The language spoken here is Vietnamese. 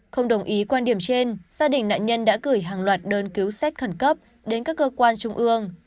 không đồng ý quan điểm trên gia đình nạn nhân đã gửi hàng loạt đơn cứu sách khẩn cấp đến các cơ quan trung ương